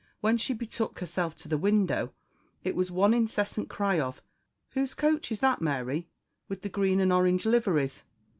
When she betook herself to the window, it was one incessant cry of "Who's coach is that, Mary, with the green and orange liveries?